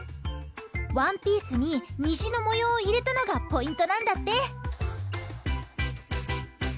ワンピースににじのもようをいれたのがポイントなんだって！